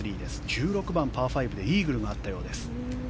１６番、パー５でイーグルがあったようです。